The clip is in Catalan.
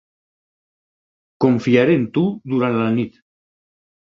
Confiaré en tu durant la nit.